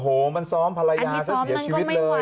โอ้โหมันซ้อมภรรยาซะเสียชีวิตเลย